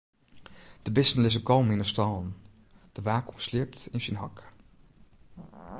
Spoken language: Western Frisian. De bisten lizze kalm yn 'e stâlen, de waakhûn sliept yn syn hok.